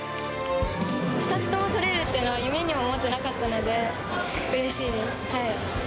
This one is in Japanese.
２つとも取れるっていうのは、夢にも思ってなかったので、うれしいです。